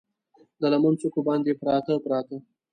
د لمن څوکو باندې، پراته، پراته